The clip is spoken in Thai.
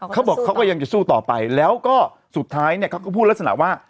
เขาบอกเขาก็ยังจะสู้ต่อไปแล้วก็สุดท้ายเนี่ยเขาก็พูดลักษณะว่า